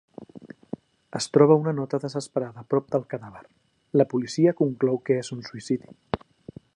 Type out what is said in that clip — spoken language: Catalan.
Es troba una nota desesperada prop del cadàver, la policia conclou que és suïcidi.